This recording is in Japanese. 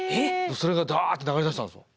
それがダッと流れ出したんですよ。